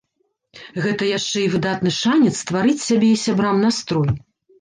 Гэта яшчэ і выдатны шанец стварыць сябе і сябрам настрой.